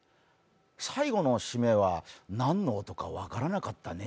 最後のしめは「何の音か分からなかったね」